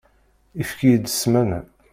Efk-iyi-d ssmana.